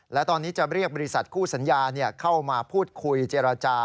และตอนนี้จะเรียกบริษัทคู่สัญญาเข้ามาพูดคุยเจรจา